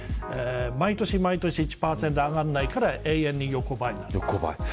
毎年、毎年１％上がらないから永遠に横ばいなんです。